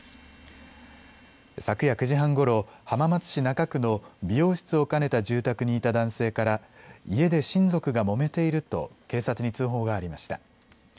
昨夜９時半ごろ、浜松市中区の美容室を兼ねた住宅にいた男性から家で親族がもめていると警察に通報がありました。